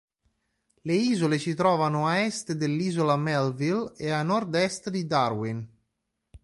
Le isole si trovano a est dell'isola Melville e a nord-est di Darwin.